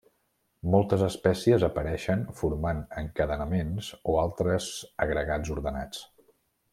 Moltes espècies apareixen formant encadenaments o altres agregats ordenats.